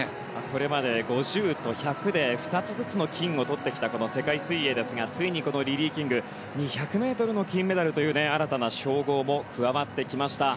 これまで５０と１００で２つずつの金をとってきた世界水泳ですがついにリリー・キング２００ｍも金メダルという新たな称号も加わってきました。